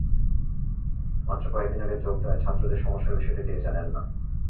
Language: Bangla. মাত্র কয়েক দিন আগে যোগ দেওয়ায় ছাত্রদের সমস্যার বিষয়টি তিনি জানেন না।